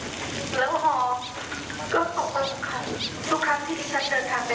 ท่านอยู่ในเฮลีคอปเตอร์ทุกทั้งค่ะ